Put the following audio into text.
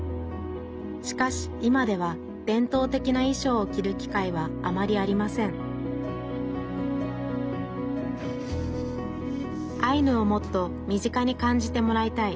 しかし今では伝統的ないしょうを着る機会はあまりありませんアイヌをもっと身近に感じてもらいたい。